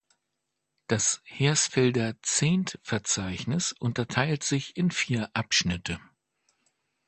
Das Hersfelder Zehntverzeichnis unterteilt sich in vier Abschnitte.